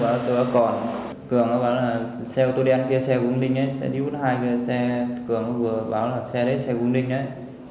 cường bảo tôi là còn cường bảo là xe ô tô đen kia xe của hồn ninh ấy xe đi hút hai kia cường bảo là xe đấy xe của hồn ninh ấy